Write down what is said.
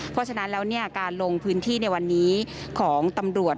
เพราะฉะนั้นแล้วการลงพื้นที่ในวันนี้ของตำรวจ